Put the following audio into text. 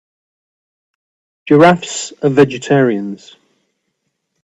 Giraffes are vegetarians.